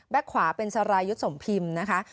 ขวาเป็นสรายุทธ์สมพิมพ์นะคะ